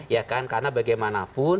ya kan karena bagaimanapun